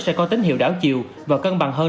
sẽ có tín hiệu đảo chiều và cân bằng hơn